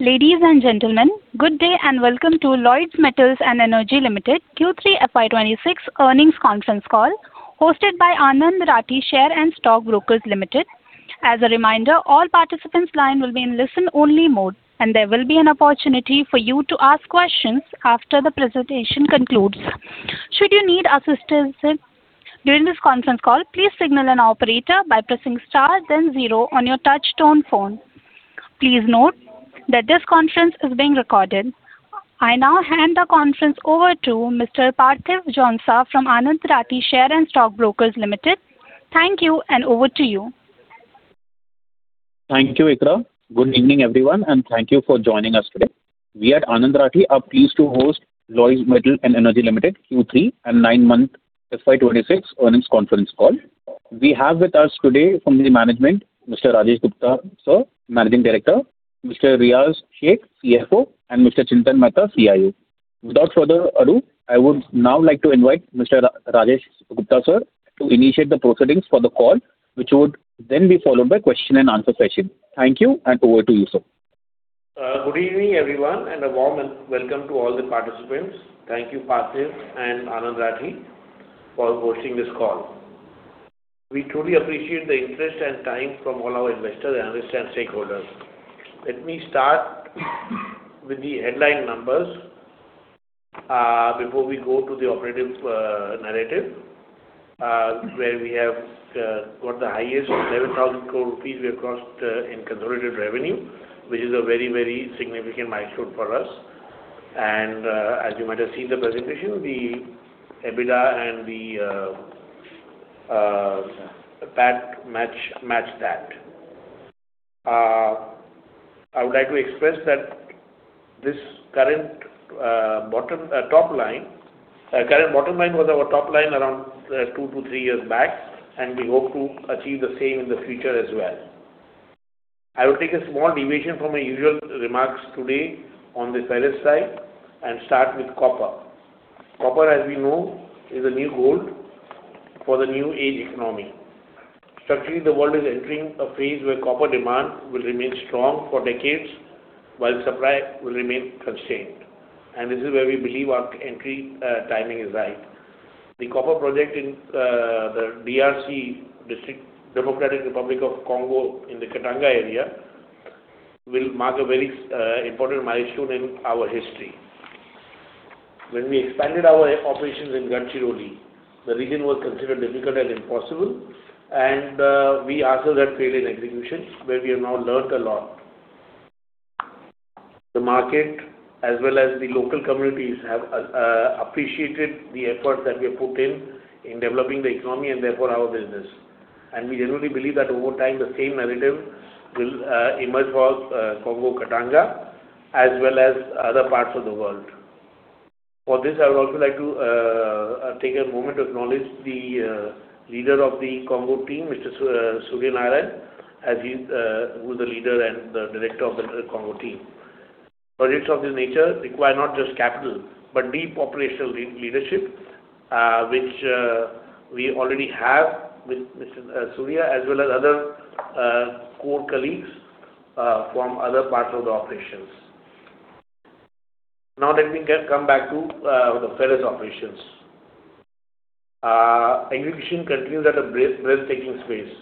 Ladies and gentlemen, good day, and welcome to Lloyds Metals and Energy Limited Q3 FY 2026 earnings conference call, hosted by Anand Rathi Share and Stock Brokers Limited. As a reminder, all participants' line will be in listen-only mode, and there will be an opportunity for you to ask questions after the presentation concludes. Should you need assistance during this conference call, please signal an operator by pressing star, then zero on your touchtone phone. Please note that this conference is being recorded. I now hand the conference over to Mr. Parthiv Jhonsa from Anand Rathi Share and Stock Brokers Limited. Thank you, and over to you. Thank you, Ikra. Good evening, everyone, and thank you for joining us today. We at Anand Rathi are pleased to host Lloyds Metals and Energy Limited Q3 and 9M FY 2026 earnings conference call. We have with us today from the management, Mr. Rajesh Gupta, sir, Managing Director, Mr. Riyaz Shaikh, CFO, and Mr. Chintan Mehta, CIO. Without further ado, I would now like to invite Mr. Rajesh Gupta, sir, to initiate the proceedings for the call, which would then be followed by question and answer session. Thank you, and over to you, sir. Good evening, everyone, and a warm welcome to all the participants. Thank you, Parthiv and Anand Rathi, for hosting this call. We truly appreciate the interest and time from all our investors, analysts, and stakeholders. Let me start with the headline numbers before we go to the operative narrative, where we have got the highest 11,000 crore rupees we have crossed in consolidated revenue, which is a very, very significant milestone for us. As you might have seen the presentation, the EBITDA and the PAT match that. I would like to express that this current bottom top line... current bottom line was our top line around two to three years back, and we hope to achieve the same in the future as well. I will take a small deviation from my usual remarks today on the ferrous side and start with copper. Copper, as we know, is the new gold for the new age economy. Structurally, the world is entering a phase where copper demand will remain strong for decades, while supply will remain constrained. This is where we believe our entry, timing is right. The copper project in the DRC, Democratic Republic of the Congo, in the Katanga area, will mark a very, important milestone in our history. When we expanded our operations in Gadchiroli, the region was considered difficult and impossible, and, we also had failed in execution, where we have now learned a lot. The market, as well as the local communities, have, appreciated the effort that we have put in, in developing the economy and therefore our business. We generally believe that over time, the same narrative will emerge for Congo, Katanga, as well as other parts of the world. For this, I would also like to take a moment to acknowledge the leader of the Congo team, Mr. Surya Narayan, as he's who's the leader and the director of the Congo team. Projects of this nature require not just capital, but deep operational leadership, which we already have with Mr. Surya, as well as other core colleagues from other parts of the operations. Now, let me come back to the ferrous operations. Execution continues at a breathtaking pace.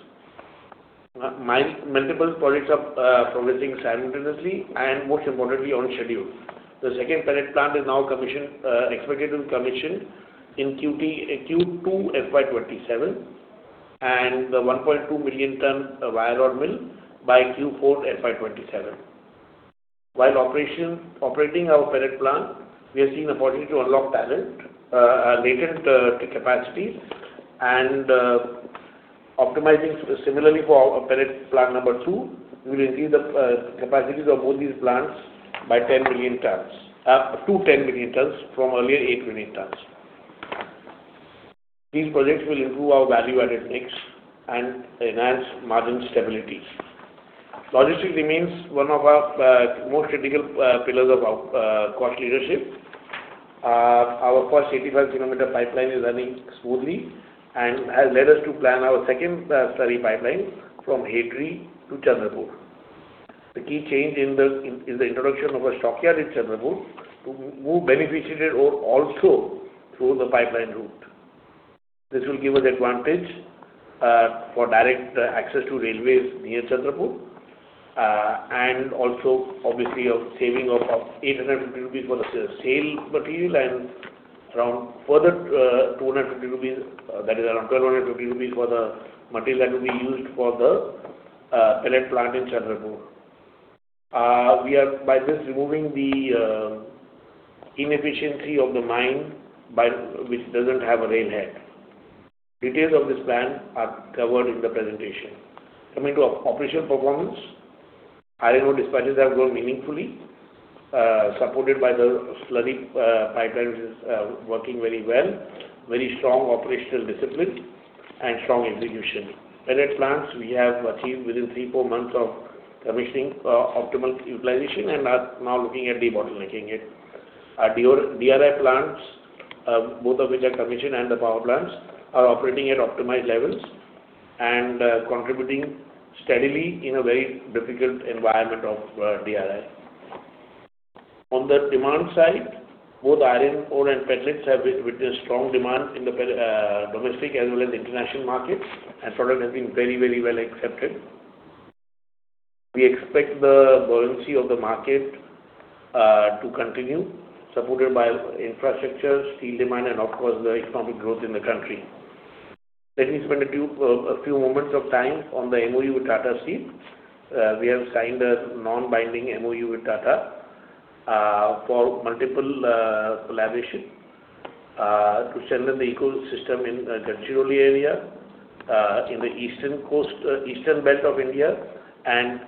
Multiple projects are progressing simultaneously and more importantly, on schedule. The second pellet plant is now commissioned, expected to be commissioned in Q2 FY 2027, and the 1.2 million ton wire rod mill by Q4 FY 2027. While operating our pellet plant, we are seeing the opportunity to unlock latent capacities, and optimizing similarly for our pellet plant number two will increase the capacities of both these plants by 10 million tons to 10 million tons from earlier 8 million tons. These projects will improve our value-added mix and enhance margin stability. Logistics remains one of our more critical pillars of our cost leadership. Our first 85-kilometer pipeline is running smoothly and has led us to plan our second slurry pipeline from Hedri to Chandrapur. The key change in the introduction of a stockyard in Chandrapur will beneficiate ore also through the pipeline route. This will give us advantage for direct access to railways near Chandrapur and also obviously a saving of 800 rupees for the sale material and around further 250 rupees that is around 1,250 rupees for the material that will be used for the pellet plant in Chandrapur. We are by this removing the inefficiency of the mine by which doesn't have a rail head. Details of this plan are covered in the presentation. Coming to our operational performance, iron ore dispatches have grown meaningfully supported by the slurry pipelines is working very well, very strong operational discipline and strong execution. Pellet plants, we have achieved within 3-4 months of commissioning optimal utilization and are now looking at debottlenecking it. Our DRI plants, both of which are commissioned, and the power plants are operating at optimized levels and contributing steadily in a very difficult environment of DRI. On the demand side, both iron ore and pellets have witnessed strong demand in the domestic as well as international markets, and product has been very, very well accepted. We expect the buoyancy of the market to continue, supported by infrastructure, steel demand, and of course, the economic growth in the country. Let me spend a few moments of time on the MOU with Tata Steel. We have signed a non-binding MOU with Tata for multiple collaboration to strengthen the ecosystem in the Gadchiroli area, in the eastern coast, eastern belt of India. And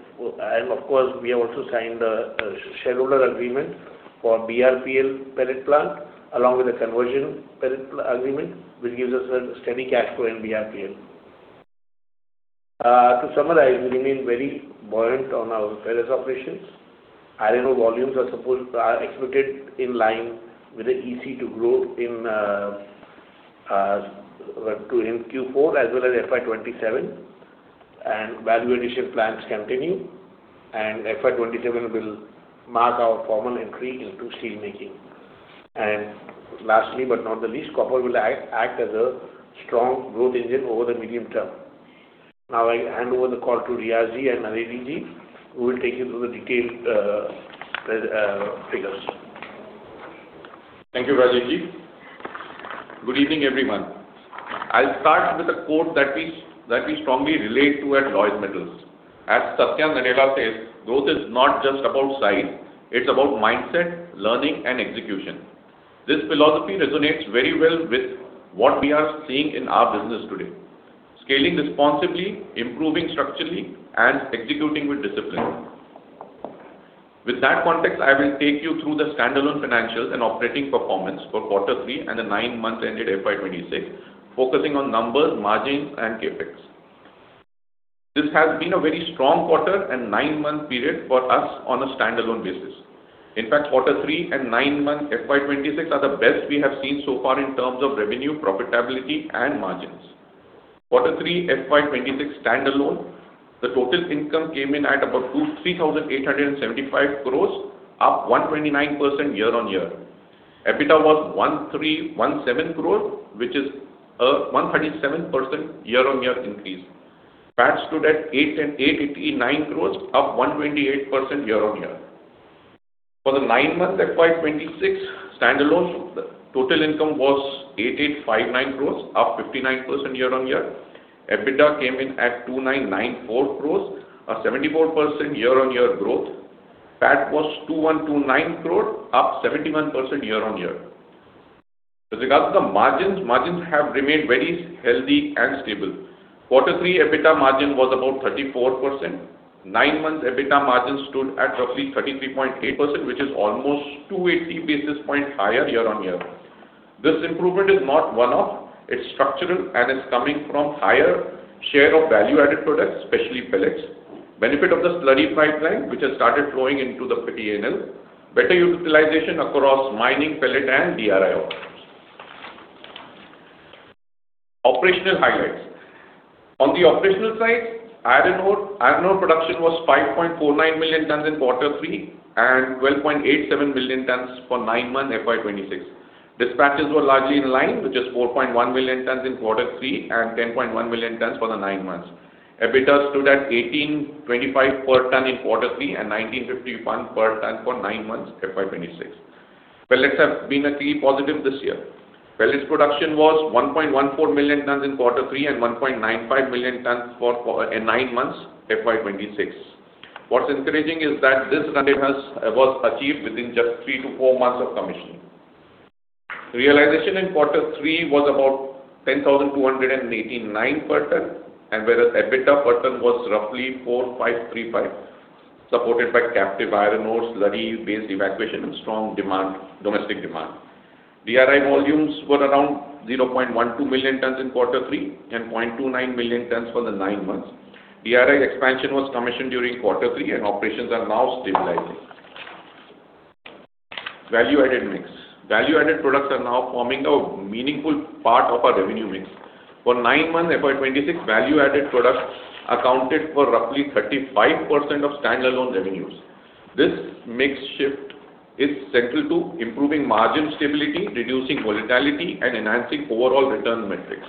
of course, we have also signed a shareholder agreement for BRPL pellet plant, along with a conversion pellet agreement, which gives us a steady cash flow in BRPL. To summarize, we remain very buoyant on our ferrous operations. Iron ore volumes are expected in line with the EC to grow in Q4, as well as FY 2027, and value addition plans continue, and FY 2027 will mark our formal entry into steelmaking. And lastly, but not the least, copper will act as a strong growth engine over the medium term. Now, I hand over the call to Riyaz ji and Naredi ji, who will take you through the detailed figures. Thank you, Rajesh. Good evening, everyone. I'll start with a quote that we, that we strongly relate to at Lloyds Metals. As Satya Nadella says, "Growth is not just about size. It's about mindset, learning, and execution." This philosophy resonates very well with what we are seeing in our business today: scaling responsibly, improving structurally, and executing with discipline. With that context, I will take you through the standalone financials and operating performance for Q3 and the nine months ended FY 2026, focusing on numbers, margins, and CapEx. This has been a very strong quarter and 9M period for us on a standalone basis. In fact, Q3 and 9M FY 2026 are the best we have seen so far in terms of revenue, profitability, and margins. Q3 FY 2026 standalone, the total income came in at about INR 2. 3,875 crore, up 129% year-on-year. EBITDA was 1,317 crore, which is a 137% year-on-year increase. PAT stood at 888.89 crore, up 128% year-on-year. For the nine months FY 2026 standalone, the total income was 8,859 crore, up 59% year-on-year. EBITDA came in at 2,994 crore, a 74% year-on-year growth. PAT was 2,129 crore, up 71% year-on-year. With regard to the margins, margins have remained very healthy and stable. Q3 EBITDA margin was about 34%. Nine months EBITDA margin stood at roughly 33.8%, which is almost 280 basis points higher year-on-year. This improvement is not one-off, it's structural, and it's coming from higher share of value-added products, especially pellets. Benefit of the slurry pipeline, which has started flowing into the pellet plant. Better utilization across mining, pellet, and DRI operations. Operational highlights. On the operational side, iron ore, iron ore production was 5.49 million tonnes in Q3, and 12.87 million tonnes for nine months FY 2026. Dispatches were largely in line, which is 4.1 million tonnes in Q3, and 10.1 million tonnes for the nine months. EBITDA stood at 1,825 per tonne in Q3, and 1,951 per tonne for nine months FY 2026. Pellets have been a key positive this year. Pellets production was 1.14 million tonnes in Q3, and 1.95 million tonnes for nine months FY 2026. What's encouraging is that this run rate was achieved within just 3-4 months of commissioning. Realization in Q3 was about 10,289 per tonne, and whereas EBITDA per tonne was roughly 4,535, supported by captive iron ore, slurry-based evacuation, and strong demand, domestic demand. DRI volumes were around 0.12 million tonnes in Q3, and 0.29 million tonnes for the nine months. DRI expansion was commissioned during Q3, and operations are now stabilizing. Value-added mix. Value-added products are now forming a meaningful part of our revenue mix. For nine months FY 2026, value-added products accounted for roughly 35% of standalone revenues. This mix shift is central to improving margin stability, reducing volatility, and enhancing overall return metrics.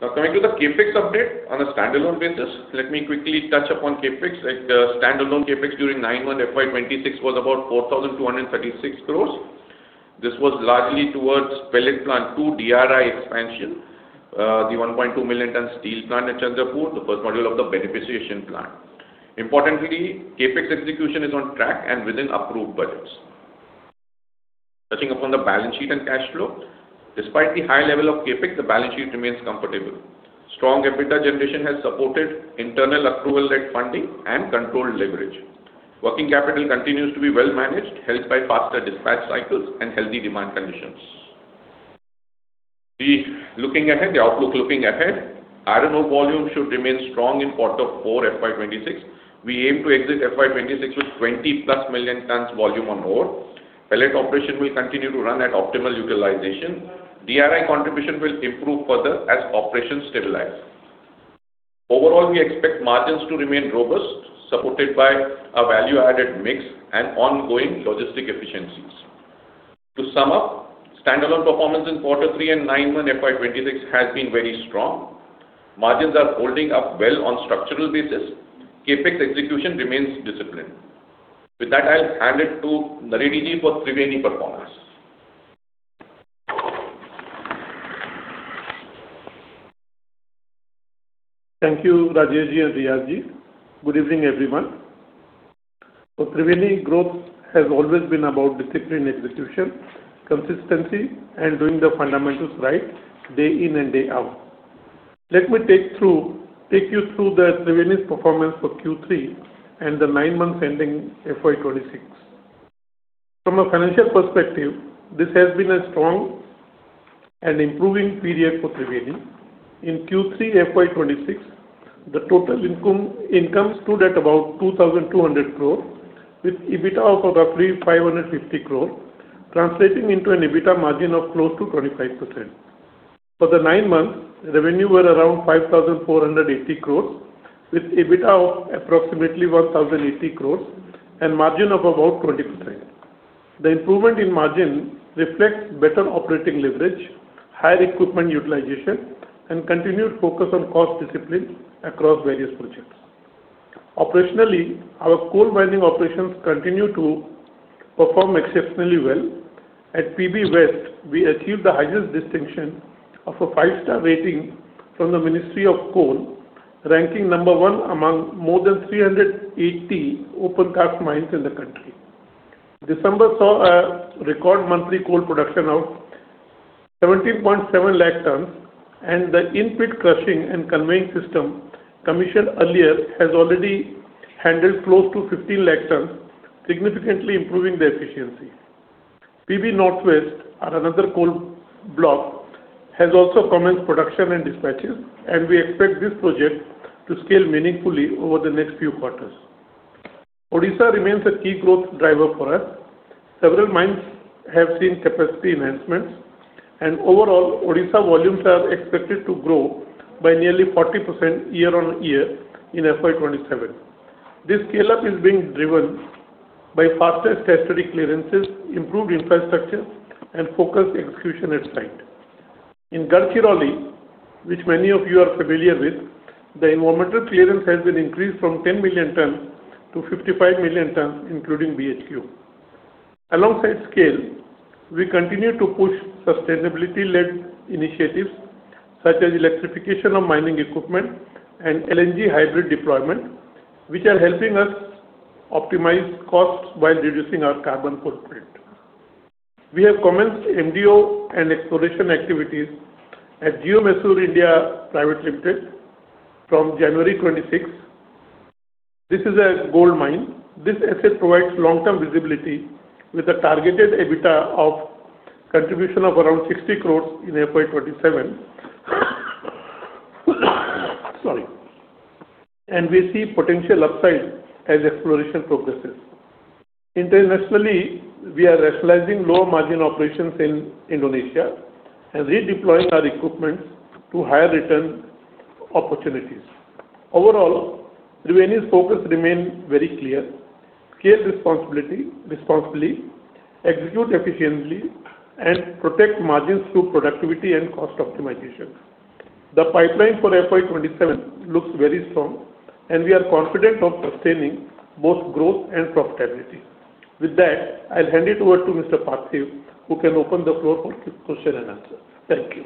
Now, coming to the CapEx update. On a standalone basis, let me quickly touch upon CapEx. Standalone CapEx during 9M FY 2026 was about 4,236 crore. This was largely towards pellet plant, 2 DRI expansion, the 1.2 million tonne steel plant at Chandrapur, the first module of the beneficiation plant. Importantly, CapEx execution is on track and within approved budgets. Touching upon the balance sheet and cash flow. Despite the high level of CapEx, the balance sheet remains comfortable. Strong EBITDA generation has supported internal accrual-led funding and controlled leverage. Working capital continues to be well managed, helped by faster dispatch cycles and healthy demand conditions. Looking ahead, the outlook looking ahead, iron ore volume should remain strong in Q4 FY 2026. We aim to exit FY 2026 with 20+ million tonnes volume on ore. Pellet operation will continue to run at optimal utilization. DRI contribution will improve further as operations stabilize. Overall, we expect margins to remain robust, supported by a value-added mix and ongoing logistic efficiencies. To sum up, standalone performance in Q3 and 9M FY 2026 has been very strong. Margins are holding up well on structural basis. CapEx execution remains disciplined. With that, I'll hand it to Naredi ji for Thriveni performance. Thank you, Rajesh ji and Riyaz ji. Good evening, everyone. For Thriveni, growth has always been about disciplined execution, consistency, and doing the fundamentals right, day in and day out. Let me take you through the Thriveni's performance for Q3 and the nine months ending FY 2026. From a financial perspective, this has been a strong and improving period for Thriveni. In Q3 FY 2026, the total income, income stood at about 2,200 crore, with EBITDA of roughly 550 crore, translating into an EBITDA margin of close to 25%. For the nine months, revenue were around 5,480 crore, with EBITDA of approximately 1,080 crore and margin of about 20%. The improvement in margin reflects better operating leverage, higher equipment utilization, and continued focus on cost discipline across various projects. Operationally, our coal mining operations continue to perform exceptionally well. At PB West, we achieved the highest distinction of a five-star rating from the Ministry of Coal, ranking number one among more than 380 open cast mines in the country. December saw a record monthly coal production of 17.7 lakh tonnes, and the in-pit crushing and conveying system commissioned earlier has already handled close to 15 lakh tonnes, significantly improving the efficiency. PB Northwest, our another coal block, has also commenced production and dispatches, and we expect this project to scale meaningfully over the next few quarters. Odisha remains a key growth driver for us. Several mines have seen capacity enhancements, and overall, Odisha volumes are expected to grow by nearly 40% year-on-year in FY 2027. This scale-up is being driven by faster statutory clearances, improved infrastructure, and focused execution at site. In Gadchiroli, which many of you are familiar with, the environmental clearance has been increased from 10 million tons to 55 million tons, including BHQ. Alongside scale, we continue to push sustainability-led initiatives such as electrification of mining equipment and LNG hybrid deployment, which are helping us optimize costs while reducing our carbon footprint. We have commenced MDO and exploration activities at Geomysore Services (India) Private Limited from January 2026. This is a gold mine. This asset provides long-term visibility with a targeted EBITDA contribution of around 60 crore in FY 2027. Sorry. And we see potential upside as exploration progresses. Internationally, we are rationalizing lower margin operations in Indonesia and redeploying our equipment to higher return opportunities. Overall, Thriveni's focus remains very clear: scale responsibly, execute efficiently, and protect margins through productivity and cost optimization. The pipeline for FY 2027 looks very strong, and we are confident of sustaining both growth and profitability. With that, I'll hand it over to Mr. Parthiv, who can open the floor for question and answer. Thank you.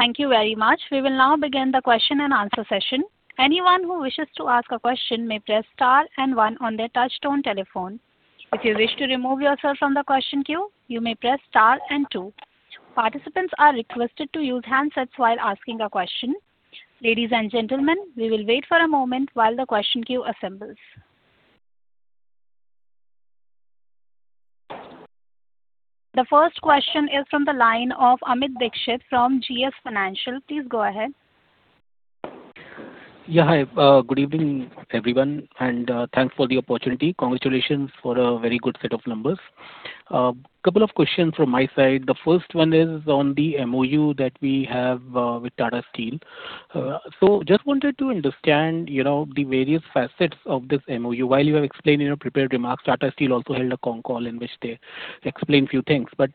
Thank you very much. We will now begin the question and answer session. Anyone who wishes to ask a question may press star and one on their touchtone telephone. If you wish to remove yourself from the question queue, you may press star and two. Participants are requested to use handsets while asking a question. Ladies and gentlemen, we will wait for a moment while the question queue assembles. The first question is from the line of Amit Dixit from GS Financial. Please go ahead. Yeah, hi, good evening, everyone, and, thanks for the opportunity. Congratulations for a very good set of numbers. Couple of questions from my side. The first one is on the MOU that we have with Tata Steel. So just wanted to understand, you know, the various facets of this MOU. While you are explaining your prepared remarks, Tata Steel also held a con call in which they explained a few things. But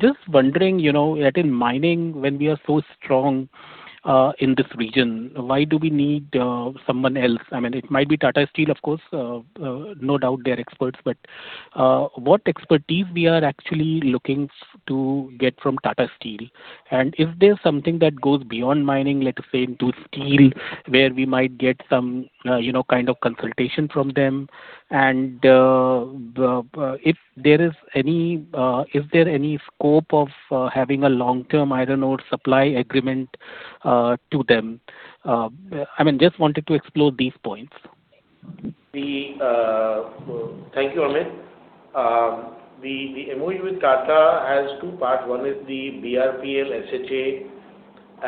just wondering, you know, that in mining, when we are so strong in this region, why do we need someone else? I mean, it might be Tata Steel, of course, no doubt they're experts, but what expertise we are actually looking to get from Tata Steel? And is there something that goes beyond mining, let's say, into steel, where we might get some, you know, kind of consultation from them? And, if there is any, is there any scope of having a long-term iron ore supply agreement to them? I mean, just wanted to explore these points. Thank you, Amit. The MOU with Tata has two parts. One is the BRPL SHA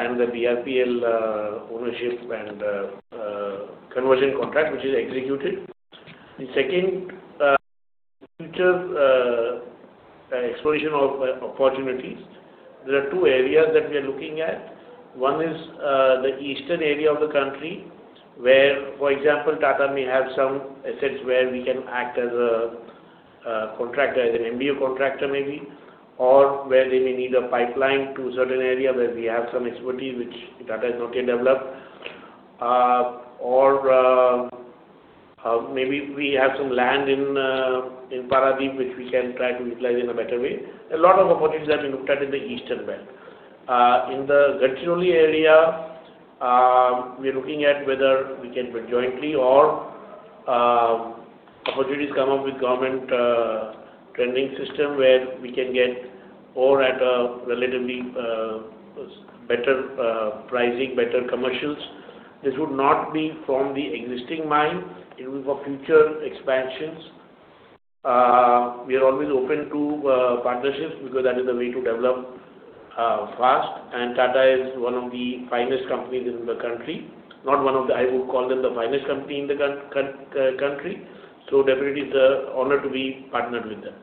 and the BRPL ownership and conversion contract, which is executed. ... The second, future, exploration of opportunities, there are two areas that we are looking at. One is, the eastern area of the country, where, for example, Tata may have some assets where we can act as a, contractor, as an MDO contractor maybe, or where they may need a pipeline to a certain area where we have some expertise which Tata has not yet developed. Or, maybe we have some land in, in Paradip, which we can try to utilize in a better way. A lot of opportunities have been looked at in the eastern belt. In the Gadchiroli area, we are looking at whether we can bid jointly or, opportunities come up with government, Thriveni system, where we can get ore at a relatively, better, pricing, better commercials. This would not be from the existing mine, it will be for future expansions. We are always open to partnerships because that is the way to develop fast, and Tata is one of the finest companies in the country. Not one of the. I would call them the finest company in the country. So definitely it's an honor to be partnered with them.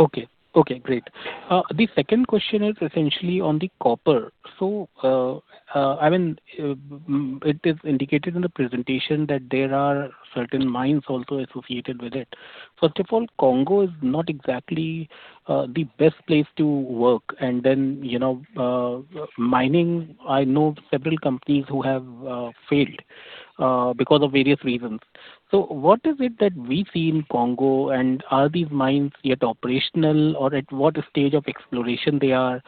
Okay. Okay, great. The second question is essentially on the copper. So, I mean, it is indicated in the presentation that there are certain mines also associated with it. First of all, Congo is not exactly the best place to work, and then, you know, mining, I know several companies who have failed because of various reasons. So what is it that we see in Congo, and are these mines yet operational, or at what stage of exploration they are?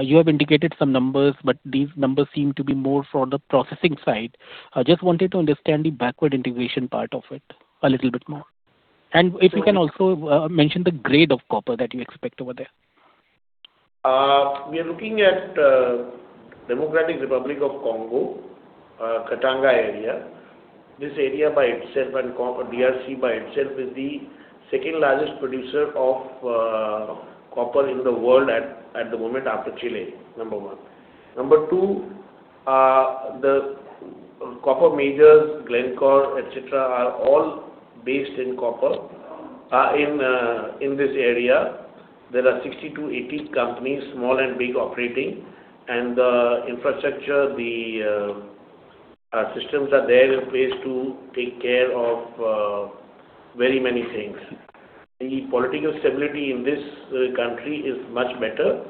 You have indicated some numbers, but these numbers seem to be more for the processing side. I just wanted to understand the backward integration part of it a little bit more. And if you can also mention the grade of copper that you expect over there. We are looking at Democratic Republic of the Congo, Katanga area. This area by itself, and DRC by itself, is the second largest producer of copper in the world at the moment, after Chile, number one. Number two, the copper majors, Glencore, et cetera, are all based in copper. In this area, there are 60-80 companies, small and big, operating, and the infrastructure, the systems are there in place to take care of very many things. The political stability in this country is much better,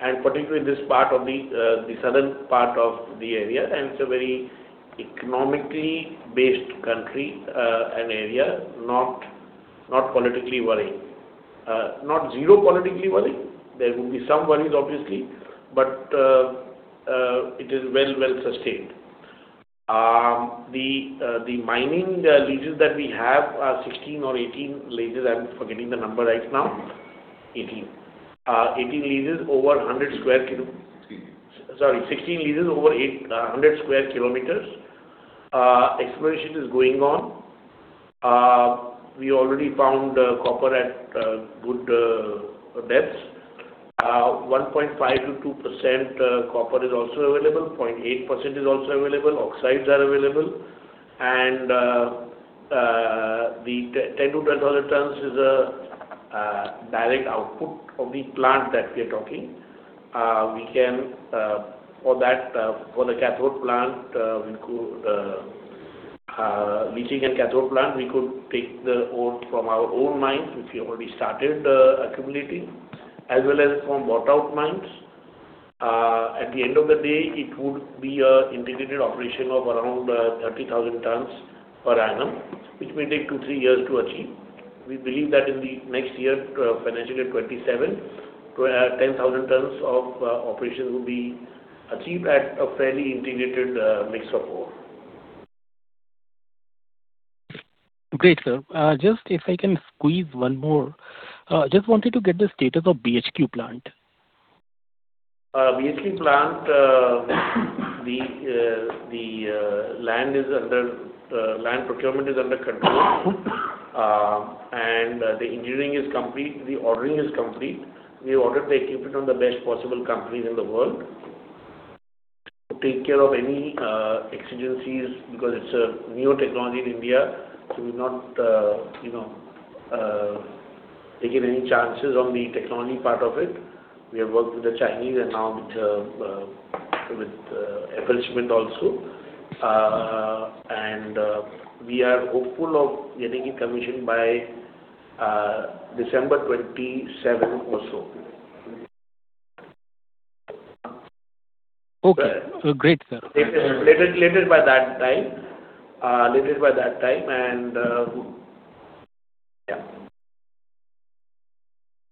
and particularly this part of the the southern part of the area, and it's a very economically based country and area, not not politically worrying. Not zero politically worrying. There will be some worries, obviously, but it is well, well sustained. The mining leases that we have are 16 or 18 leases. I'm forgetting the number right now. 18. 18 leases over 100 square kilo- Sixteen. Sorry, 16 leases over 800 sq km. Exploration is going on. We already found copper at good depths. 1.5%-2% copper is also available, 0.8% is also available, oxides are available. And the 1,000-1,200 tons is a direct output of the plant that we are talking. We can, for that, for the cathode plant, we could, leaching and cathode plant, we could take the ore from our own mines, which we have already started accumulating, as well as from bought-out mines. At the end of the day, it would be an integrated operation of around 30,000 tons per annum, which may take 2-3 years to achieve. We believe that in the next year, financial year 27, 10,000 tons of operations will be achieved at a fairly integrated mix of ore. Great, sir. Just if I can squeeze one more. Just wanted to get the status of BHQ plant. BHQ plant, the land procurement is under control. The engineering is complete, the ordering is complete. We ordered the equipment from the best possible companies in the world to take care of any exigencies, because it's a new technology in India, so we've not, you know, taken any chances on the technology part of it. We have worked with the Chinese and now with FLSmidth also. We are hopeful of getting it commissioned by December 2027 or so. Okay. Great, sir. Later, later by that time. Later by that time, and,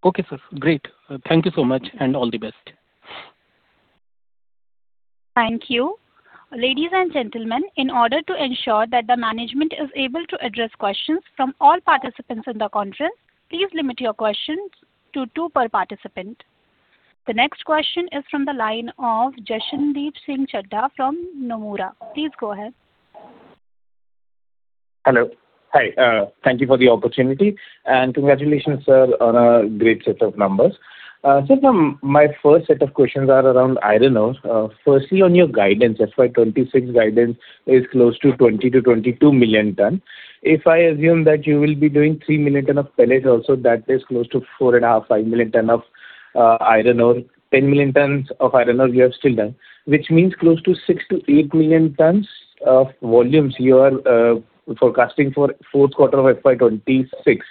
yeah. Okay, sir. Great. Thank you so much, and all the best. Thank you. Ladies and gentlemen, in order to ensure that the management is able to address questions from all participants in the conference, please limit your questions to two per participant. The next question is from the line of Jashandeep Singh Chadha from Nomura. Please go ahead.... Hello. Hi, thank you for the opportunity, and congratulations, sir, on a great set of numbers. So my first set of questions are around iron ore. Firstly, on your guidance, FY 2026 guidance is close to 20-22 million tons. If I assume that you will be doing 3 million tons of pellets also, that is close to 4.5-5 million tons of iron ore. 10 million tons of iron ore you have still done, which means close to 6-8 million tons of volumes you are forecasting for Q4 of FY 2026.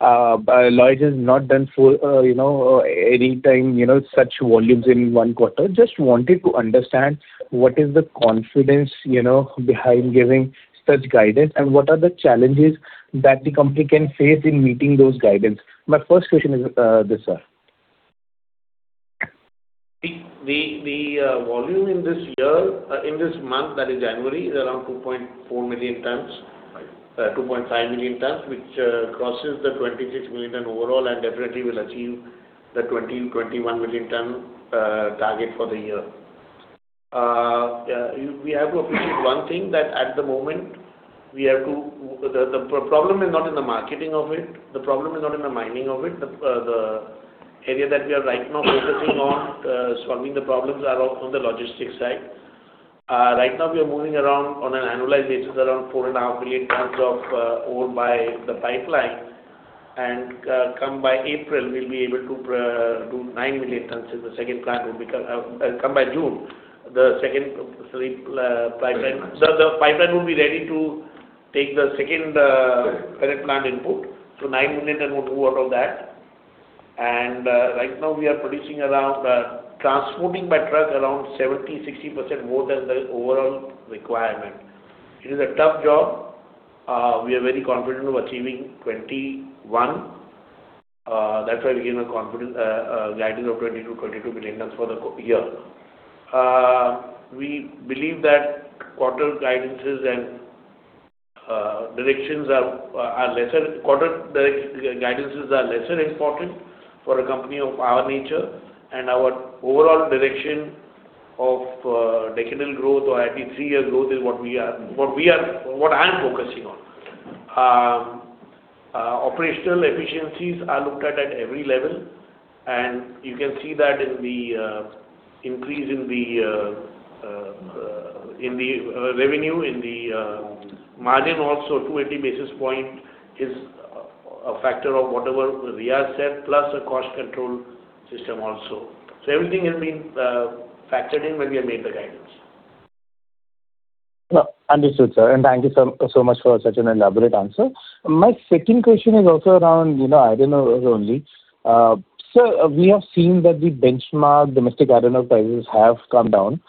But Lloyd has not done full, you know, any time, you know, such volumes in one quarter. Just wanted to understand, what is the confidence, you know, behind giving such guidance, and what are the challenges that the company can face in meeting those guidance? My first question is, this, sir. The volume in this year, in this month, that is January, is around 2.4 million tons, 2.5 million tons, which crosses the 26 million ton overall and definitely will achieve the 20-21 million ton target for the year. Yeah, you-- we have to appreciate one thing that at the moment, we have to... The problem is not in the marketing of it, the problem is not in the mining of it. The area that we are right now focusing on solving the problems are on the logistics side. Right now, we are moving around on an annualized basis, around 4.5 million tons of ore by the pipeline. By April, we'll be able to do 9 million tons, as the second plant will come by June, the second pipeline. Pipeline. So the pipeline will be ready to take the second pellet plant input, so 9 million tons will go out of that. And right now, we are producing around transporting by truck around 70%-60% more than the overall requirement. It is a tough job. We are very confident of achieving 21. That's why we gave a confident guidance of 20-22 million tons for the year. We believe that quarter guidances and directions are lesser. Quarter direct guidances are lesser important for a company of our nature, and our overall direction of decadal growth or IP three-year growth is what we are what I'm focusing on. Operational efficiencies are looked at at every level, and you can see that in the increase in the revenue, in the margin also, 280 basis points is a factor of whatever we have said, plus a cost control system also. So everything has been factored in when we have made the guidance. Understood, sir, and thank you so, so much for such an elaborate answer. My second question is also around, you know, iron ore only. So we have seen that the benchmark domestic iron ore prices have come down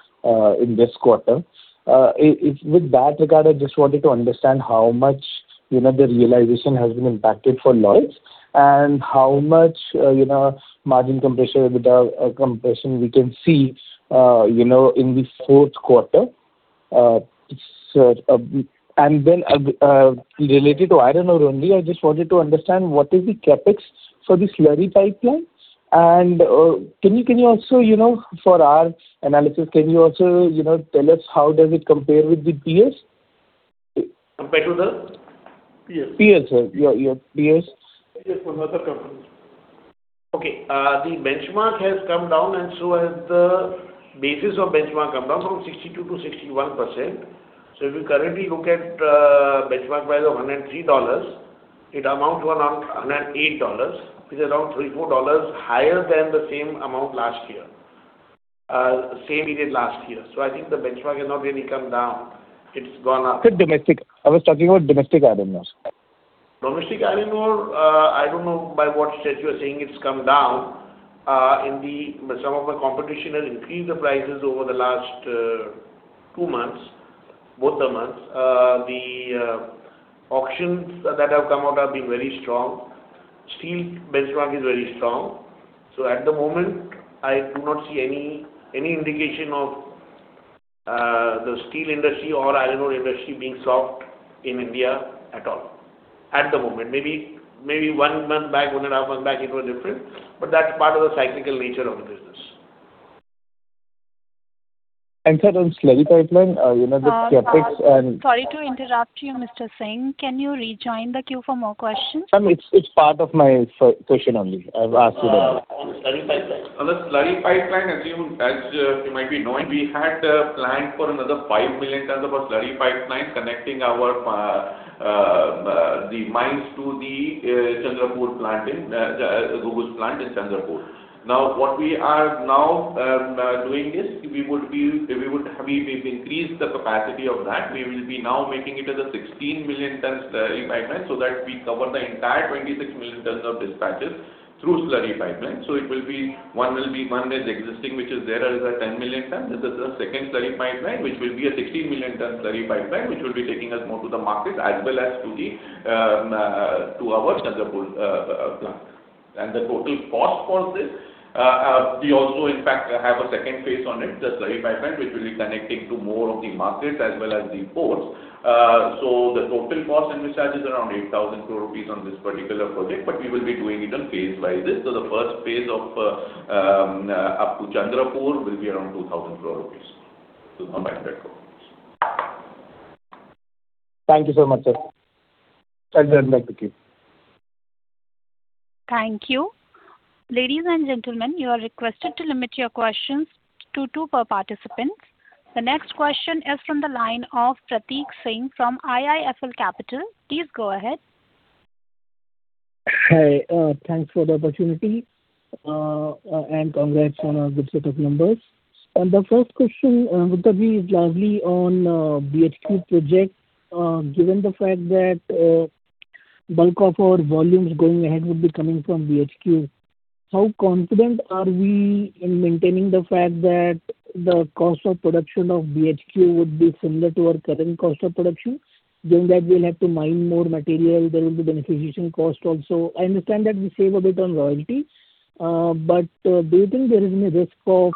in this quarter. In that regard, I just wanted to understand how much, you know, the realization has been impacted for Lloyds, and how much, you know, margin compression we can see, you know, in the Q4. So, and then, related to iron ore only, I just wanted to understand what is the CapEx for the slurry pipelines. And, can you also, you know, for our analysis, can you also, you know, tell us how does it compare with the peers? Compared to the? Peers. Peers, sir. Yeah, yeah, peers. Yes, other companies. Okay, the benchmark has come down, and so has the basis of benchmark come down from 62%-61%. So if you currently look at benchmark price of $103, it amounts to around $108, which is around $3-$4 higher than the same amount last year, same we did last year. So I think the benchmark has not really come down. It's gone up. Sir, domestic. I was talking about domestic iron ore. Domestic iron ore, I don't know by what stage you are saying it's come down. In some of the competition has increased the prices over the last 2 months, both the months. The auctions that have come out have been very strong. Steel benchmark is very strong. So at the moment, I do not see any indication of the steel industry or iron ore industry being soft in India at all, at the moment. Maybe one month back, 1.5 months back, it was different, but that's part of the cyclical nature of the business. Sir, on slurry pipeline, you know, the CapEx and- Sorry to interrupt you, Mr. Singh. Can you rejoin the queue for more questions? It's part of my first question only. I've asked it. On slurry pipeline? On the slurry pipeline, as you might be knowing, we had planned for another 5 million tons of a slurry pipeline connecting our mines to the Chandrapur plant in beneficiation plant in Chandrapur. Now, what we are now doing is we would be, we've increased the capacity of that. We will be now making it as a 16 million ton slurry pipeline, so that we cover the entire 26 million tons of dispatches through slurry pipeline. So it will be, one is existing, which is there as a 10 million ton. This is a second slurry pipeline, which will be a 16 million ton slurry pipeline, which will be taking us more to the market as well as to our Chandrapur plant. And the total cost for this, we also in fact, have a second phase on it, the slurry pipeline, which will be connecting to more of the markets as well as the ports. So the total cost envisaged is around 8,000 crore rupees on this particular project, but we will be doing it in phase by this. So the first phase of, up to Chandrapur will be around 2,000 crore rupees. So on that record.... Thank you so much, sir. Thank you. Thank you. Ladies and gentlemen, you are requested to limit your questions to two per participant. The next question is from the line of Pratik Singh from IIFL Capital. Please go ahead. Hi, thanks for the opportunity, and congrats on a good set of numbers. The first question, Gupta Ji, is largely on BHQ project. Given the fact that bulk of our volumes going ahead would be coming from BHQ, how confident are we in maintaining the fact that the cost of production of BHQ would be similar to our current cost of production, given that we'll have to mine more material, there will be beneficiation cost also. I understand that we save a bit on royalty, but do you think there is any risk of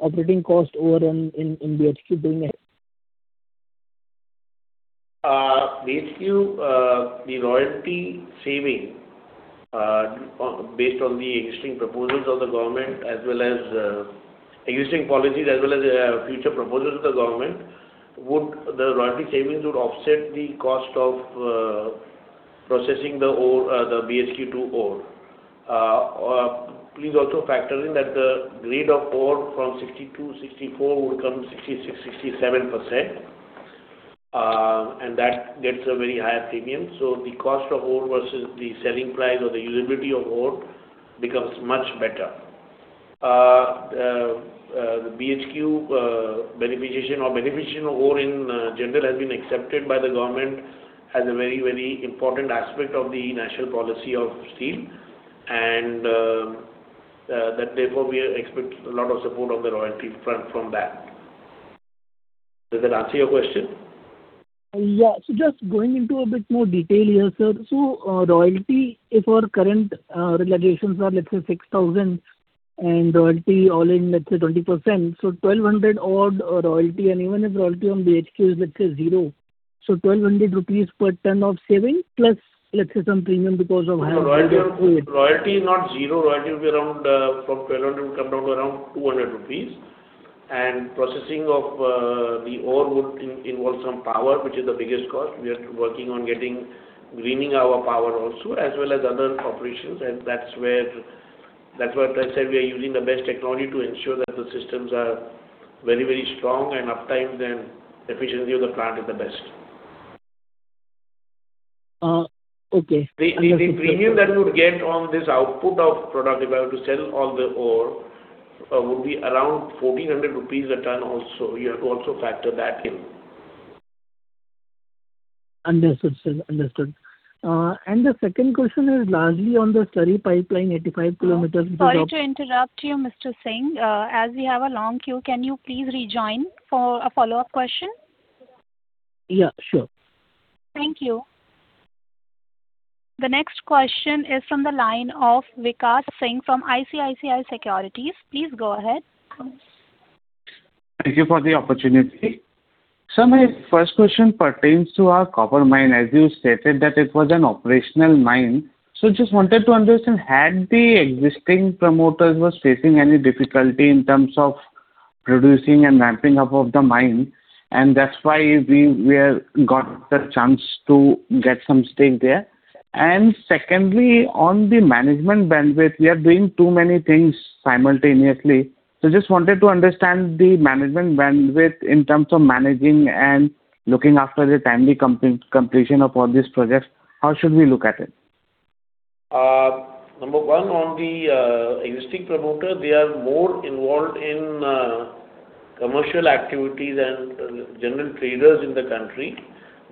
operating cost over in BHQ going ahead? BHQ, the royalty saving, based on the existing proposals of the government, as well as, existing policies, as well as, future proposals of the government, would the royalty savings would offset the cost of, processing the ore, the BHQ to ore. Please also factor in that the grade of ore from 62%-64% would come 66%-67%, and that gets a very higher premium. So the cost of ore versus the selling price or the usability of ore becomes much better. The BHQ, beneficiation or beneficiation of ore in general has been accepted by the government as a very, very important aspect of the national policy of steel, and, that therefore, we expect a lot of support on the royalty front from that. Does that answer your question? Yeah. So just going into a bit more detail here, sir. So, royalty, if our current realizations are, let's say 6,000, and royalty all-in, let's say 20%, so 1,200 odd royalty, and even if royalty on BHQ is, let's say 0, so 1,200 rupees per ton of saving, plus, let's say some premium because of higher- Royalty, royalty is not zero. Royalty will be around from 1,200, will come down to around 200 rupees. And processing of the ore would involve some power, which is the biggest cost. We are working on getting greening our power also, as well as other operations, and that's where, that's what I said, we are using the best technology to ensure that the systems are very, very strong and uptime, and efficiency of the plant is the best. Uh, okay. The premium that you would get on this output of product, if I were to sell all the ore, would be around 1,400 rupees a ton also. You have to also factor that in. Understood, sir. Understood. And the second question is largely on the slurry pipeline, 85 kilometers- Sorry to interrupt you, Mr. Singh. As we have a long queue, can you please rejoin for a follow-up question? Yeah, sure. Thank you. The next question is from the line of Vikash Singh from ICICI Securities. Please go ahead. Thank you for the opportunity. So my first question pertains to our copper mine. As you stated that it was an operational mine, so just wanted to understand, had the existing promoters was facing any difficulty in terms of producing and ramping up of the mine, and that's why we, we have got the chance to get some stake there? And secondly, on the management bandwidth, we are doing too many things simultaneously. So just wanted to understand the management bandwidth in terms of managing and looking after the timely completion of all these projects. How should we look at it? Number one, on the existing promoter, they are more involved in commercial activities and general traders in the country.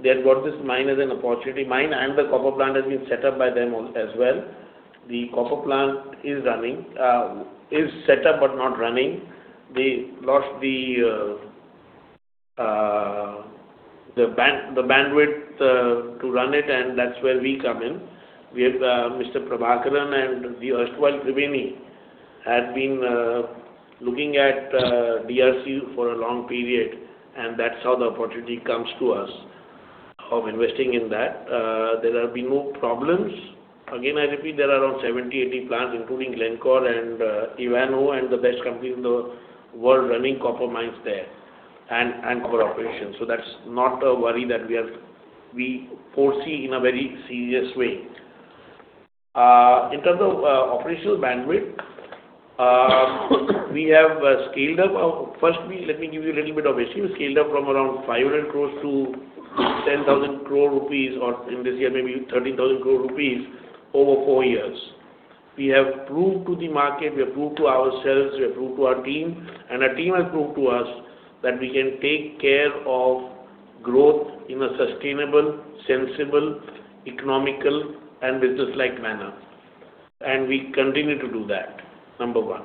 They have got this mine as an opportunity mine, and the copper plant has been set up by them as well. The copper plant is set up but not running. They lost the bandwidth to run it, and that's where we come in. We have Mr. Prabhakaran and the erstwhile Thriveni had been looking at DRC for a long period, and that's how the opportunity comes to us of investing in that. There have been no problems. Again, I repeat, there are around 70-80 plants, including Glencore and Ivanhoe and the best companies in the world running copper mines there and copper operations. So that's not a worry that we are—we foresee in a very serious way. In terms of operational bandwidth, we have scaled up. First, me, let me give you a little bit of history. We scaled up from around 500 crore to 10,000 crore rupees, or in this year, maybe 13,000 crore rupees over four years. We have proved to the market, we have proved to ourselves, we have proved to our team, and our team has proved to us that we can take care of growth in a sustainable, sensible, economical and business-like manner, and we continue to do that, number one.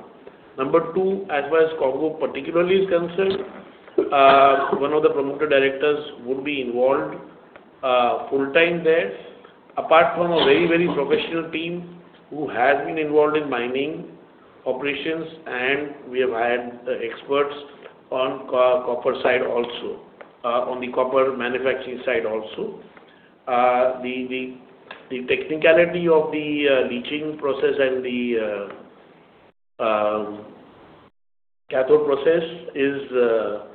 Number two, as well as Congo particularly is concerned, one of the promoter directors would be involved full-time there, apart from a very, very professional team who has been involved in mining operations, and we have hired experts on copper side also, on the copper manufacturing side also. The technicality of the leaching process and the cathode process is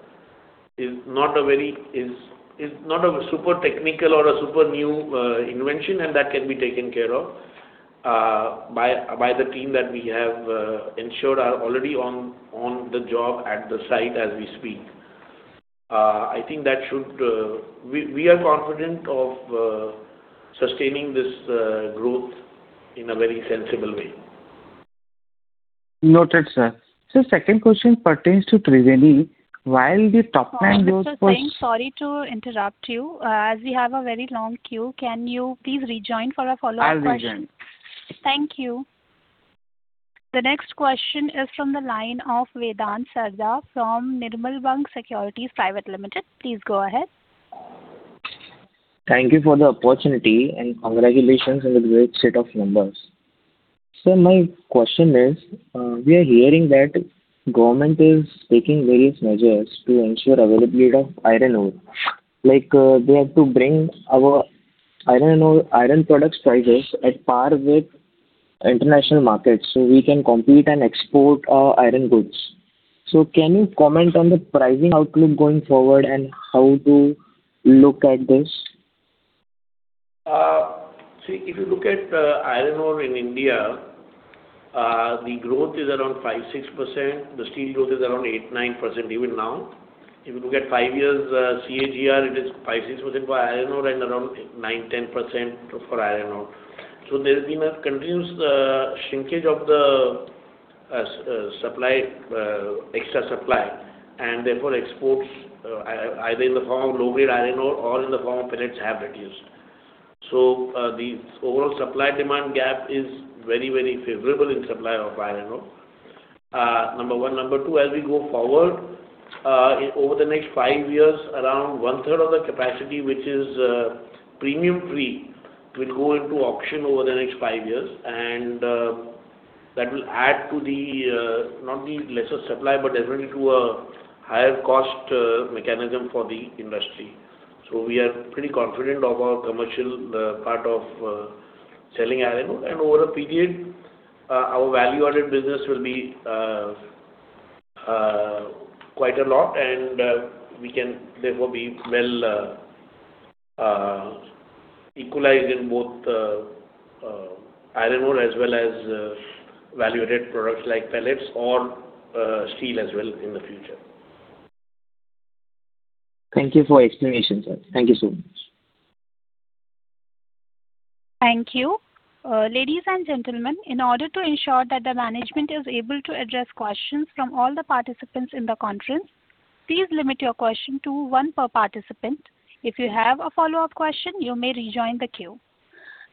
not a very super technical or a super new invention, and that can be taken care of by the team that we have ensured are already on the job at the site as we speak. I think that should. We are confident of sustaining this growth in a very sensible way. Noted, sir. So second question pertains to Thriveni. While the top-line growth was- Sorry to interrupt you. As we have a very long queue, can you please rejoin for a follow-up question? I'll rejoin. Thank you. The next question is from the line of Vedant Sarda from Nirmal Bang Securities Private Limited. Please go ahead. Thank you for the opportunity, and congratulations on the great set of numbers. Sir, my question is, we are hearing that government is taking various measures to ensure availability of iron ore. Like, they have to bring our iron ore, iron products prices at par with international markets, so we can compete and export our iron goods. So can you comment on the pricing outlook going forward and how to look at this? See, if you look at iron ore in India, the growth is around 5%-6%. The steel growth is around 8%-9% even now. If you look at 5 years CAGR, it is 5%-6% for iron ore and around 9%-10% for iron ore. So there has been a continuous shrinkage of the supply, extra supply, and therefore exports, either in the form of low-grade iron ore or in the form of pellets, have reduced. So, the overall supply-demand gap is very, very favorable in supply of iron ore. Number one. Number two, as we go forward, over the next five years, around one-third of the capacity, which is premium free, will go into auction over the next five years, and that will add to the not the lesser supply, but definitely to a higher cost mechanism for the industry. So we are pretty confident of our commercial part of selling iron ore. And over a period, our value-added business will be quite a lot, and we can therefore be well equalized in both iron ore as well as value-added products like pellets or steel as well in the future. Thank you for explanation, sir. Thank you so much. Thank you. Ladies and gentlemen, in order to ensure that the management is able to address questions from all the participants in the conference, please limit your question to one per participant. If you have a follow-up question, you may rejoin the queue.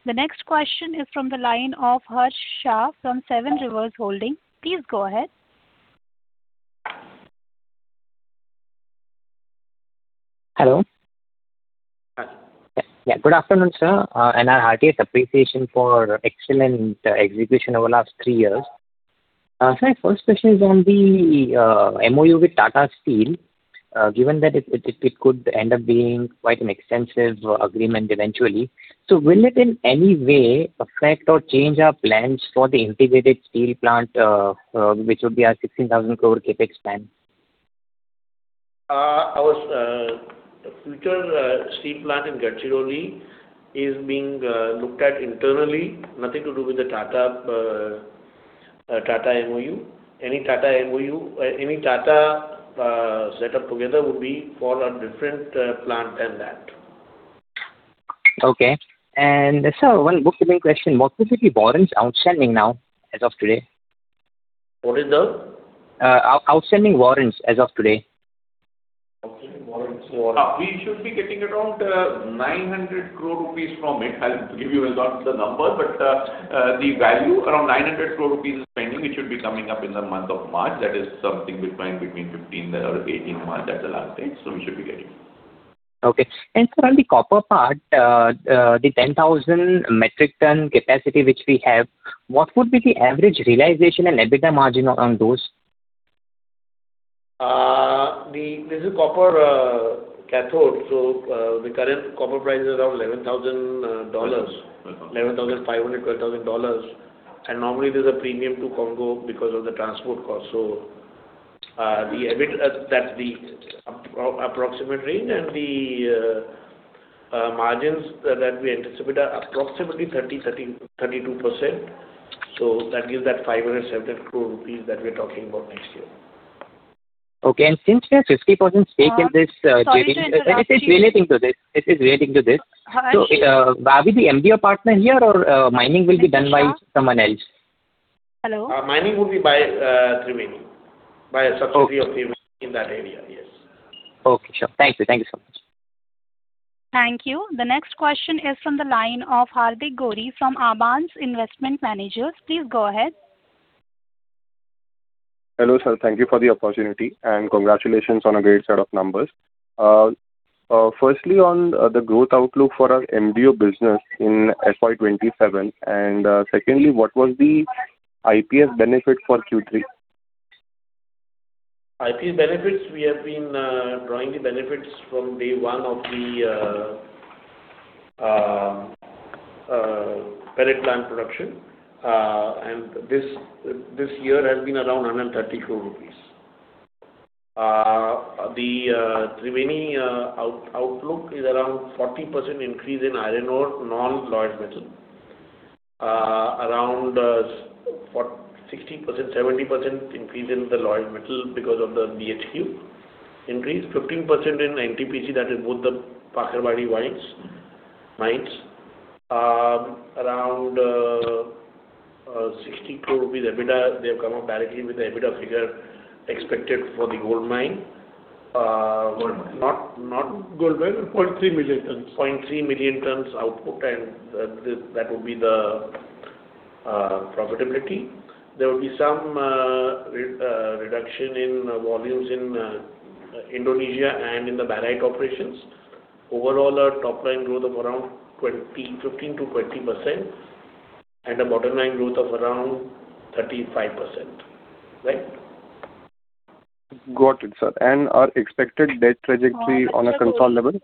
The next question is from the line of Harsh Shah from Seven Rivers Holding. Please go ahead. Hello. Yeah, good afternoon, sir, and our heartiest appreciation for excellent execution over the last three years. Sir, my first question is on the MOU with Tata Steel. Given that it could end up being quite an extensive agreement eventually, so will it in any way affect or change our plans for the integrated steel plant, which would be our 16,000 crore CapEx plan? Our future steel plant in Gadchiroli is being looked at internally. Nothing to do with the Tata MOU. Any Tata MOU, any Tata set up together would be for a different plant than that. Okay. And sir, one bookkeeping question. What would be the warrants outstanding now, as of today? What is the? Outstanding warrants as of today? Okay, warrants. We should be getting around 900 crore rupees from it. I'll give you exact the number, but the value, around 900 crore rupees is pending. It should be coming up in the month of March. That is something between fifteenth or eighteenth March, that's the last date. So we should be getting. Okay. And sir, on the copper part, the 10,000 metric ton capacity which we have, what would be the average realization and EBITDA margin on those? This is copper cathode, so the current copper price is around $11,000, $11,500, $12,000. And normally there's a premium to Congo because of the transport cost. So the EBITDA, that's the approximate range, and the margins that we anticipate are approximately 30%-32%. So that gives that 570 crore rupees that we're talking about next year. Okay. And since we have 50% stake in this, Sorry to interrupt you. This is relating to this. This is relating to this. Actually- Are we the MDO partner here, or mining will be done by someone else? Hello? Mining will be by, Thriveni. By a subsidiary- Okay. Of Thriveni in that area, yes. Okay, sure. Thank you. Thank you so much. Thank you. The next question is from the line of Hardik Gawri from Abans Investment Managers. Please go ahead. Hello, sir. Thank you for the opportunity, and congratulations on a great set of numbers. Firstly, on the growth outlook for our MDO business in FY 2027, and secondly, what was the IPS benefit for Q3? IPS benefits, we have been drawing the benefits from day one of the pellet plant production, and this year has been around 130 crore rupees. The Thriveni outlook is around 40% increase in iron ore, non-Lloyds Metals. Around 40%-60%, 70% increase in the Lloyds Metals because of the BHQ increase. 15% in NTPC, that is both the Pakri Barwadih mines. Around 60 crore rupees EBITDA. They have come out directly with the EBITDA figure expected for the gold mine. Gold mine. Not, not gold mine. 0.3 million tons. 0.3 million tons output, and that would be the profitability. There will be some reduction in volumes in Indonesia and in the barite operations. Overall, our top line growth of around 15%-20%, and a bottom line growth of around 35%. Right? Got it, sir. And our expected debt trajectory on a consolidated level?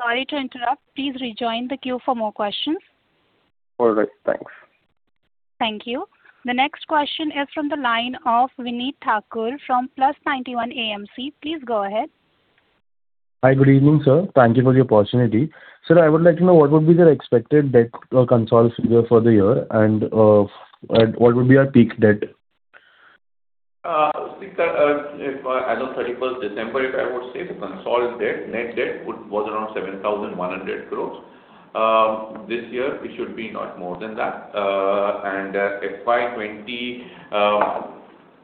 Sorry to interrupt. Please rejoin the queue for more questions. All right. Thanks. Thank you. The next question is from the line of Vineet Thakur from Plus91 AMC. Please go ahead. Hi. Good evening, sir. Thank you for the opportunity. Sir, I would like to know what would be the expected debt or consolidated figure for the year, and what would be our peak debt? As of thirty-first December, if I would say, the consolidated debt, net debt, would be around 7,100 crore. This year, it should be not more than that. FY 2028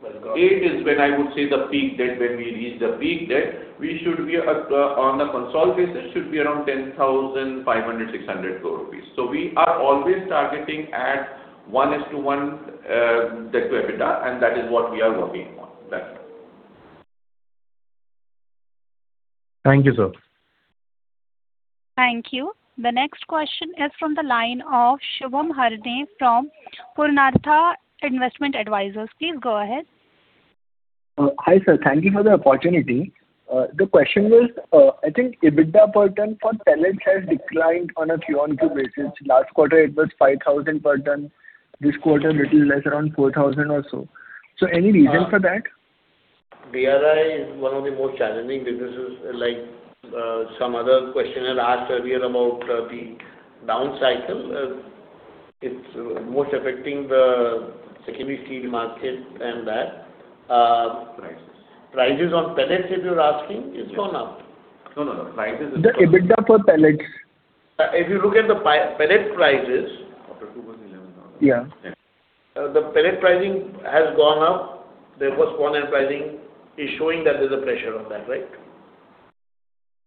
is when I would say the peak debt, when we reach the peak debt. We should be on the consolidated basis around 10,500-600 crore rupees. So we are always targeting at 1:1 debt to EBITDA, and that is what we are working on. That's it. Thank you, sir. Thank you. The next question is from the line of Shubham Harne from Purnartha Investment Advisers. Please go ahead. Hi, sir. Thank you for the opportunity. The question was, I think EBITDA per ton for pellets has declined on a QoQ basis. Last quarter, it was 5,000 per ton. This quarter, little less, around 4,000 or so. So any reason for that? DRI is one of the more challenging businesses, like, some other question I asked earlier about, the down cycle. It's most affecting the secondary steel market and that, Prices. Prices on pellets, if you're asking, it's gone up. No, no, no. The EBITDA for pellets. If you look at the pellet prices- Q2 was INR 11,000. Yeah. The pellet pricing has gone up. Therefore, sponge end pricing is showing that there's a pressure on that, right?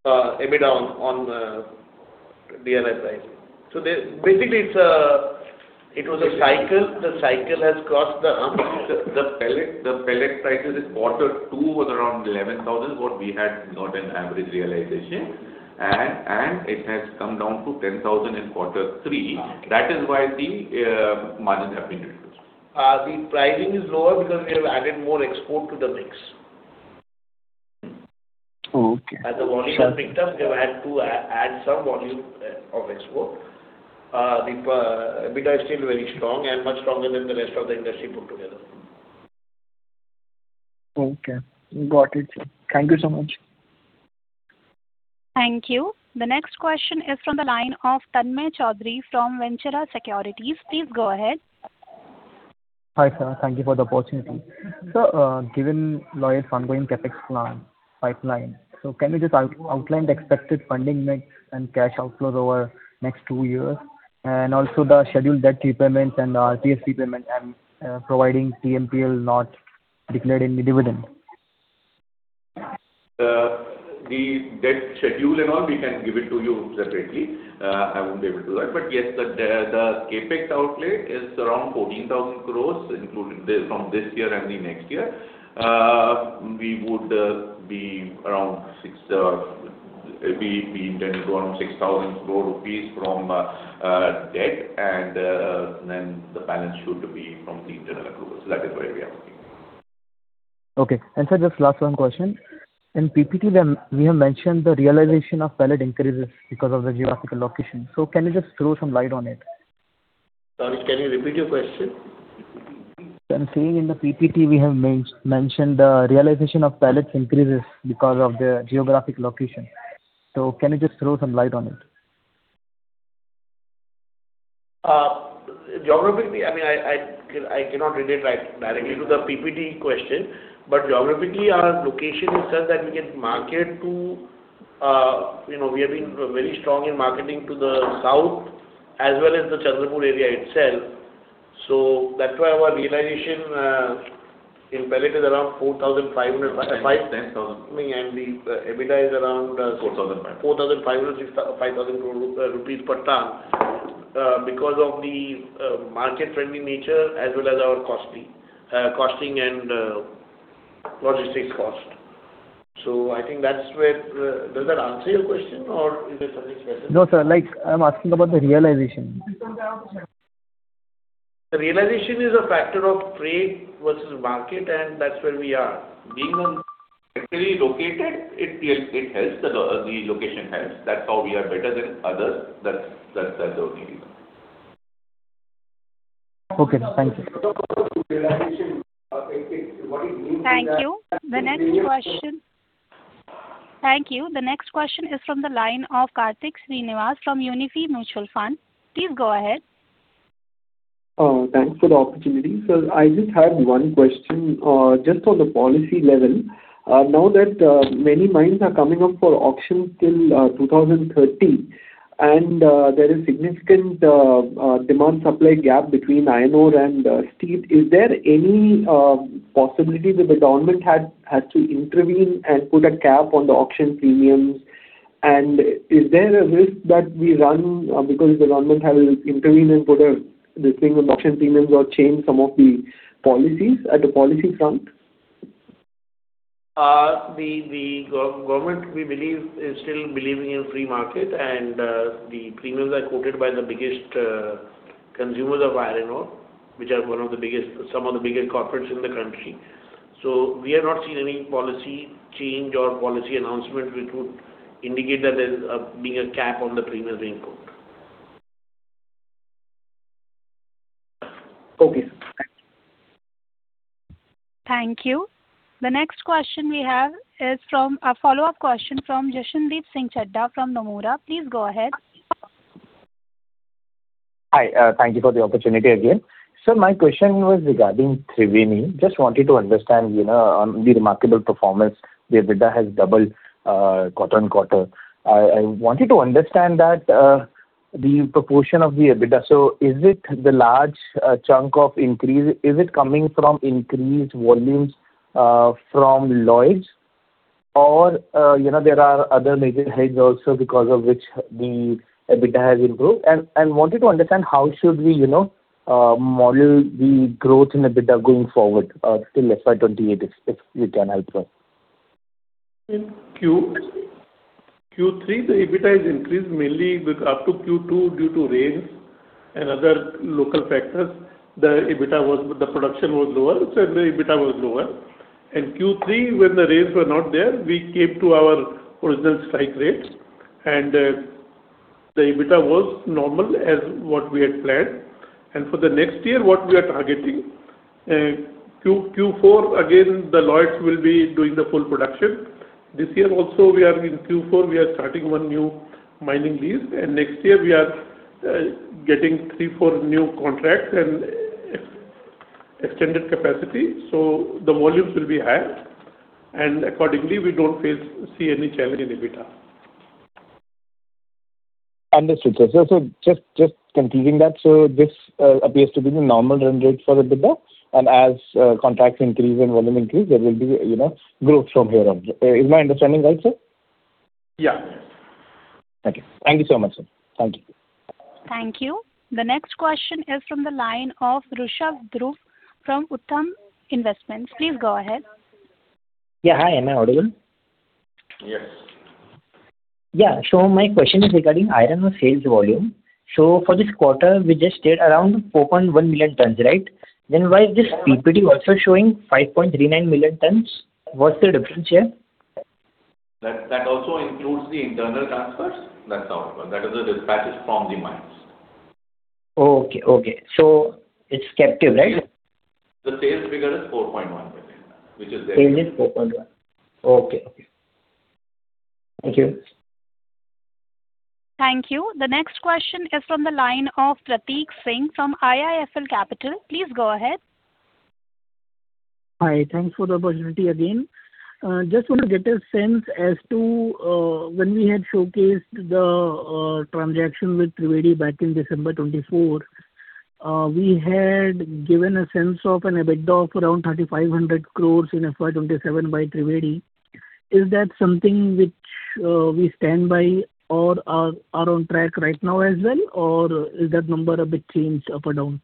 EBITDA on, on, DRI pricing. So the, basically, it's a, it was a cycle. The cycle has crossed the- The pellet, the pellet prices in quarter two was around 11,000, what we had got an average realization, and it has come down to 10,000 in Q3. That is why the margins have been reduced. The pricing is lower because we have added more export to the mix. Okay. As the volume has picked up, we've had to add some volume of export. The EBITDA is still very strong and much stronger than the rest of the industry put together. Okay. Got it, sir. Thank you so much. Thank you. The next question is from the line of Tanmay Choudhary from Ventura Securities. Please go ahead. Hi, sir. Thank you for the opportunity. So, given Lloyds ongoing CapEx plan pipeline, so can you just outline the expected funding mix and cash outflows over the next two years, and also the scheduled debt repayments and RPS payment and, providing LMEL not declared any dividend? The debt schedule and all, we can give it to you separately. I won't be able to do that. But yes, the CapEx outlay is around 14,000 crore, including this, from this year and the next year. We would be around six, we intend to go around 6,000 crore rupees from debt, and then the balance should be from the internal groups. So that is where we are looking. Okay. Sir, just last one question. In PPT, then, we have mentioned the realization of pellet increases because of the geographical location. Can you just throw some light on it? Sorry, can you repeat your question? I'm saying in the PPT, we have mentioned the realization of pellets increases because of the geographic location. So can you just throw some light on it? Geographically, I mean, I cannot relate directly to the PPT question, but geographically, our location is such that we can market to, you know, we have been very strong in marketing to the south as well as the Chandrapur area itself. So that's why our realization in pellet is around 4,500-5,000 rupees. 10, 10,000. The EBITDA is around- 4,005. 4,500, 6,000-5,000 rupees per ton, because of the market-friendly nature as well as our costing, costing and logistics cost. I think that's where... Does that answer your question or is there something specific? No, sir. Like, I'm asking about the realization.... The realization is a factor of trade versus market, and that's where we are. Being on- Actually located, it helps. The location helps. That's how we are better than others. That's the only reason. Okay, thank you. Realization of anything, what it means is that- Thank you. The next question is from the line of Kartik Srinivas from Unifi Mutual Fund. Please go ahead. Thanks for the opportunity. Sir, I just had one question, just on the policy level. Now that many mines are coming up for auction till 2030, and there is significant demand-supply gap between iron ore and steel. Is there any possibility that the government had to intervene and put a cap on the auction premiums? And is there a risk that we run because the government has intervened and put a this thing on the auction premiums or change some of the policies at the policy front? The government, we believe, is still believing in free market, and the premiums are quoted by the biggest consumers of iron ore, which are one of the biggest, some of the biggest corporates in the country. So we have not seen any policy change or policy announcement, which would indicate that there's being a cap on the premiums being quoted. Okay. Thank you. Thank you. The next question we have is from a follow-up question from Jashandeep Singh Chadha from Nomura. Please go ahead. Hi, thank you for the opportunity again. Sir, my question was regarding Thriveni. Just wanted to understand, you know, on the remarkable performance, the EBITDA has doubled, quarter on quarter. I wanted to understand that, the proportion of the EBITDA. So is it the large, chunk of increase, is it coming from increased volumes, from Lloyds? Or, you know, there are other major heads also because of which the EBITDA has improved. And I wanted to understand how should we, you know, model the growth in EBITDA going forward, till FY 2028, if you can help us. In Q3, the EBITDA has increased mainly with up to Q2 due to rains and other local factors. The production was lower, so the EBITDA was lower. And Q3, when the rains were not there, we came to our original strike rate, and the EBITDA was normal as what we had planned. And for the next year, what we are targeting, Q4, again, the Lloyds will be doing the full production. This year also, we are in Q4, we are starting one new mining lease, and next year we are getting three, four new contracts and extended capacity, so the volumes will be high. And accordingly, we don't see any challenge in EBITDA. Understood, sir. So just concluding that, so this appears to be the normal run rate for EBITDA, and as contracts increase and volume increase, there will be, you know, growth from here on. Is my understanding right, sir? Yeah. Okay. Thank you so much, sir. Thank you. Thank you. The next question is from the line of Rushabh Dhruv from Uttam Investments. Please go ahead. Yeah, hi. Am I audible? Yes. Yeah. So my question is regarding iron ore sales volume. So for this quarter, we just stayed around 4.1 million tons, right? Then why is this PPT also showing 5.39 million tons? What's the difference here? That also includes the internal transfers. That's how it works. That is the dispatches from the mines. Okay, okay. So it's captive, right? The sales figure is 4.1 million, which is there. Sales is 4.1. Okay. Thank you. Thank you. The next question is from the line of Pratik Singh from IIFL Capital. Please go ahead. Hi, thanks for the opportunity again. Just want to get a sense as to, when we had showcased the, transaction with Thriveni back in December 2024, we had given a sense of an EBITDA of around 3,500 crore in FY 2027 by Thriveni. Is that something which, we stand by or are, are on track right now as well, or is that number a bit changed up or down?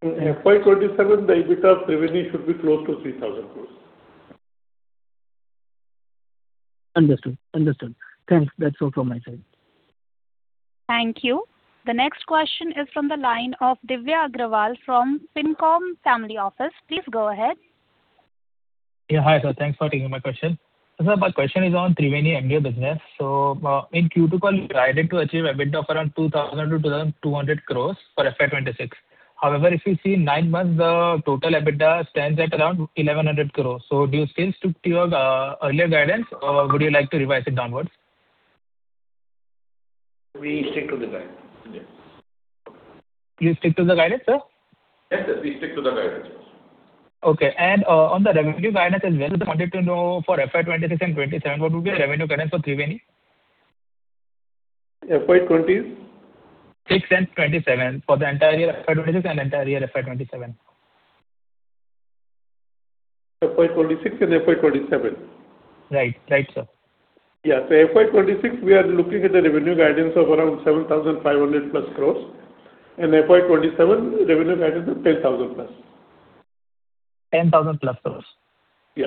In FY 2027, the EBITDA of Thriveni should be close to 3,000 crore. Understood. Understood. Thanks. That's all from my side. Thank you. The next question is from the line of Divya Agrawal from Fincom Family Office. Please go ahead. Yeah, hi, sir. Thanks for taking my question. So sir, my question is on Thriveni MDO business. So, in Q2 call, you guided to achieve EBITDA of around 2,000 crore-2,200 crore for FY 2026. However, if you see nine months, the total EBITDA stands at around 1,100 crore. So do you still stick to your earlier guidance, or would you like to revise it downwards? We stick to the guidance, yes. You stick to the guidance, sir? Yes, sir, we stick to the guidance. Okay. On the revenue guidance as well, just wanted to know for FY 2026 and 2027, what would be your revenue guidance for Thriveni? FY 20? 6.27 for the entire year, FY 2026 and entire year FY 2027. FY 2026 and FY 2027. Right. Right, sir. Yeah. So FY 2026, we are looking at a revenue guidance of around 7,500+ crore, and FY 2027, revenue guidance is 10,000+ crore. ...10,000+ tons. Yeah.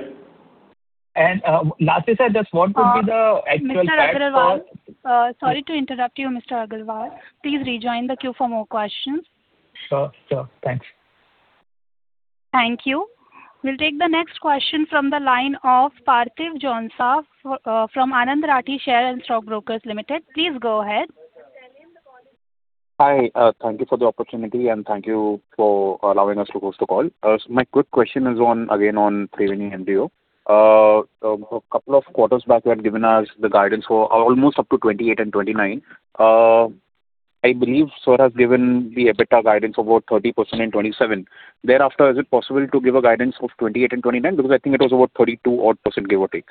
Lastly, sir, just what could be the actual- Mr. Agarwal, sorry to interrupt you, Mr. Agarwal. Please rejoin the queue for more questions. Sure, sure. Thanks. Thank you. We'll take the next question from the line of Parthiv Jhonsa, from Anand Rathi Share and Stock Brokers Limited. Please go ahead. Hi, thank you for the opportunity, and thank you for allowing us to host the call. My quick question is on, again, on Thriveni MDO. A couple of quarters back, you had given us the guidance for almost up to 28 and 29. I believe sir has given the EBITDA guidance about 30% and 27. Thereafter, is it possible to give a guidance of 28 and 29? Because I think it was about 32 odd %, give or take.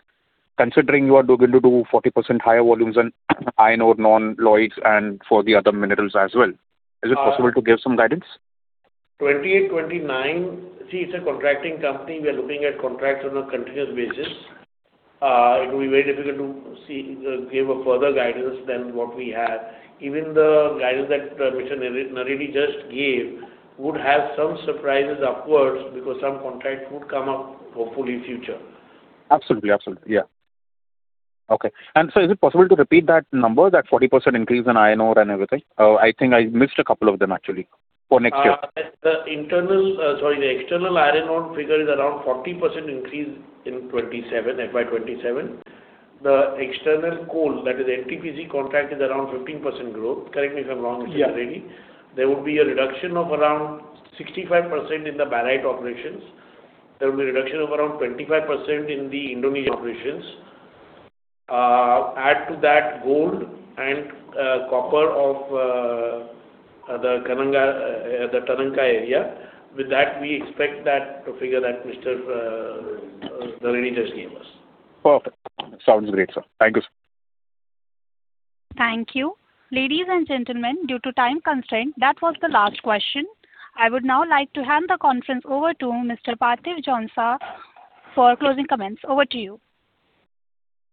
Considering you are going to do 40% higher volumes on iron ore, non-Lloyds, and for the other minerals as well, is it possible to give some guidance? 28, 29. See, it's a contracting company. We are looking at contracts on a continuous basis. It will be very difficult to see, give a further guidance than what we have. Even the guidance that, Mr. Narendran just gave would have some surprises upwards, because some contracts would come up hopefully in future. Absolutely. Absolutely. Yeah. Okay. And so is it possible to repeat that number, that 40% increase in iron ore and everything? I think I missed a couple of them, actually, for next year. The internal, sorry, the external iron ore figure is around 40% increase in 2027, FY 2027. The external coal, that is NTPC contract, is around 15% growth. Correct me if I'm wrong, Mr. Narendran. Yeah. There would be a reduction of around 65% in the barite operations. There will be a reduction of around 25% in the Indonesia operations. Add to that, gold and, copper of, the Katanga, the Tanganyika area. With that, we expect that the figure that Mr. Narendran just gave us. Perfect. Sounds great, sir. Thank you, sir. Thank you. Ladies and gentlemen, due to time constraint, that was the last question. I would now like to hand the conference over to Mr. Parthiv Jhonsa for closing comments. Over to you.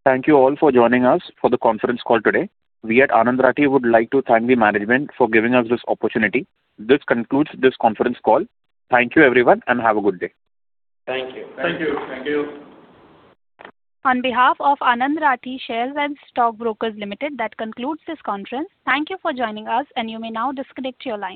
Thank you all for joining us for the conference call today. We at Anand Rathi would like to thank the management for giving us this opportunity. This concludes this conference call. Thank you, everyone, and have a good day. Thank you. Thank you. Thank you. On behalf of Anand Rathi Share and Stock Brokers Limited, that concludes this conference. Thank you for joining us, and you may now disconnect your line.